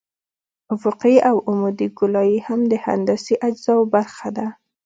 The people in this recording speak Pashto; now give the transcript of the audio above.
افقي او عمودي ګولایي هم د هندسي اجزاوو برخه ده